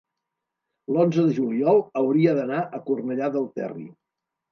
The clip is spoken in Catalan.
l'onze de juliol hauria d'anar a Cornellà del Terri.